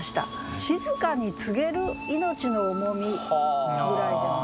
「静かに告げる命の重み」ぐらいでも。